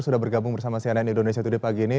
sudah bergabung bersama cnn indonesia today pagi ini